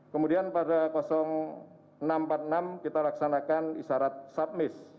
kemudian pada jam enam empat puluh enam kita laksanakan isarat sub miss